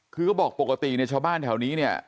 คือก็บอกปกติในชาวบ้านแถวนี้เนี่ย